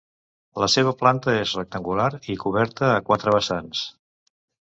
La seva planta és rectangular i coberta a quatre vessants.